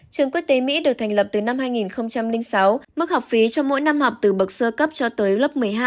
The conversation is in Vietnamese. trường quốc tế mỹ được thành lập từ năm hai nghìn sáu mức học phí cho mỗi năm học từ bậc sơ cấp cho tới lớp một mươi hai